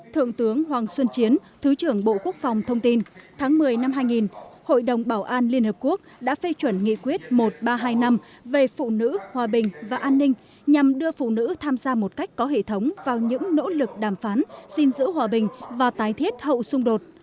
thượng tướng hoàng xuân chiến thứ trưởng bộ quốc phòng thông tin tháng một mươi năm hai nghìn hội đồng bảo an liên hợp quốc đã phê chuẩn nghị quyết một nghìn ba trăm hai mươi năm về phụ nữ hòa bình và an ninh nhằm đưa phụ nữ tham gia một cách có hệ thống vào những nỗ lực đàm phán xin giữ hòa bình và tái thiết hậu xung đột